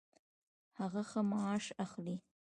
هغه ښه معاش اخلي